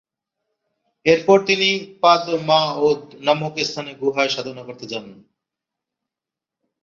এরপর তিনি পাদ-মা-'ওদ নামক স্থানে গুহায় সাধনা করতে যান।